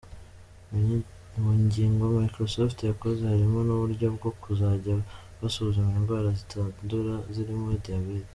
Mu nyigo Microsoft yakoze harimo n’uburyo bwo kuzajya basuzuma indwara zitandura zirimo diabete.